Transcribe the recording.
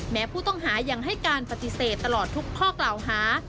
แม้ผู้ต้องหายังให้การปฏิเสธตลอดทุกข้อกล่าวหา